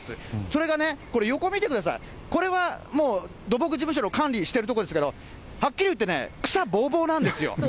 それがね、これ、横見てください、これはもう土木事務所の管理している所ですけど、はっきり言ってそうですね。